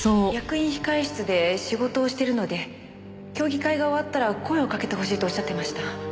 役員控室で仕事をしてるので競技会が終わったら声をかけてほしいと仰ってました。